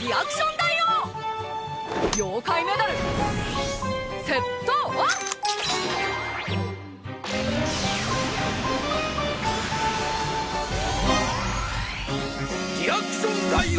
リアクション大王！